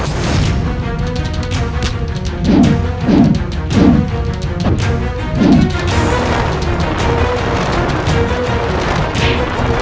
sampai jumpa di video selanjutnya